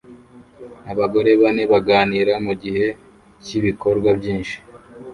Abagore bane baganira mugihe cyibikorwa byinshi